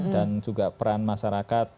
dan juga peran masyarakat